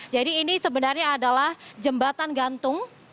jadi ini sebenarnya adalah jembatan gantung